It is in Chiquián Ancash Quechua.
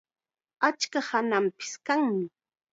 Achka hakanpis kanmi.